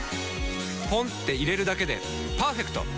ポンって入れるだけでパーフェクト！